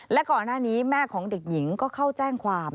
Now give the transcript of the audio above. และก่อนหน้านี้แม่ของเด็กหญิงก็เข้าแจ้งความ